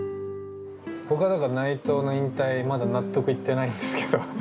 僕は内藤の引退、まだ納得いってないんですけど。